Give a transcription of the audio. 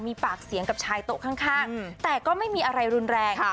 มีปากเสียงกับชายโต๊ะข้างแต่ก็ไม่มีอะไรรุนแรง